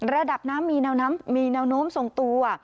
ระดับน้ำมีแนวน้ำมีแนวโน้มทรงตัว